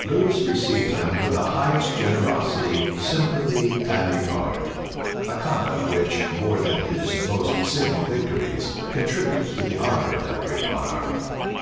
Lewis received him with the highest generosity, sympathy, and regard: a conduct which, more than his most signal victories, contributes to the honor of that great monarch.